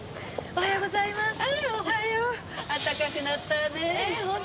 おはようございます。